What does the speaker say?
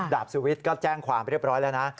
ดาบสุวิตก็แจ้งความเรียบร้อยแล้วนะ